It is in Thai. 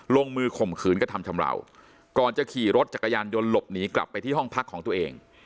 ลงมือข่มขืนกระทำชำราวก่อนจะขี่รถจักรยานยนต์หลบหนีกลับไปที่ห้องพักของตัวเอง